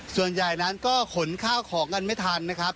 ส่วนใหญ่นั้นก็ขนข้าวของกันไม่ทันนะครับ